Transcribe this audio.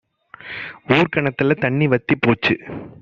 ஊர் கிணத்துல தண்ணி வத்தி போச்சு